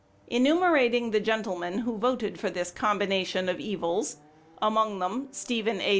Enumerating the gentlemen who voted for this combination of evils, among them Stephen A.